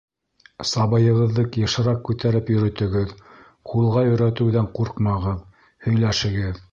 Сабыйығыҙҙы йышыраҡ күтәреп йөрөтөгөҙ, ҡулға өйрәтеүҙән ҡурҡмағыҙ, һөйләшегеҙ.